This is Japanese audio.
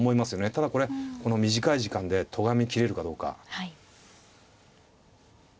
ただこれこの短い時間でとがめきれるかどうか。